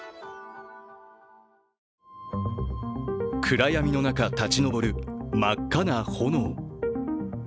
暗闇の中、立ち上る真っ赤な炎。